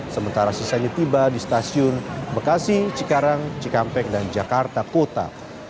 sementara sisanya tiba di stasiun bekasi cikarang cikampek dan jakarta kota